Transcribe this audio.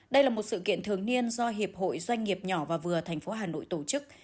đây là một sự kiện thường niên do hiệp hội doanh nghiệp nhỏ và vừa thành phố hà nội tổ chức